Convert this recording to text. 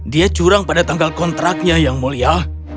dia curang pada tanggal kontraknya yang mulia